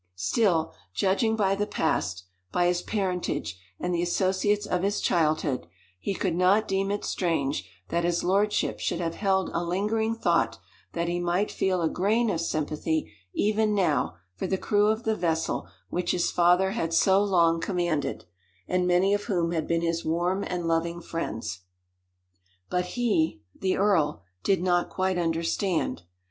Still, judging by the past by his parentage, and the associates of his childhood, he could not deem it strange that his lordship should have held a lingering thought that he might feel a grain of sympathy even now for the crew of the vessel which his father had so long commanded, and many of whom had been his warm and loving friends. But he the earl did not quite understand.